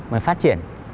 mình phát triển